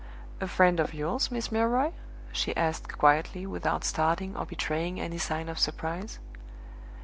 "A friend of yours, Miss Milroy?" she asked, quietly, without starting or betraying any sign of surprise.